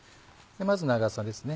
まず長さですね